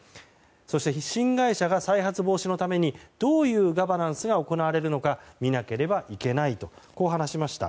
そして、新会社が再発防止のためにどういうガバナンスが行われるのか見なければいけないと話しました。